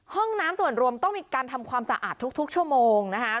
ห้องน้ำส่วนรวมต้องมีการทำความสะอาดทุกชั่วโมงนะคะ